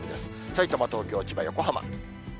さいたま、東京、千葉、横浜。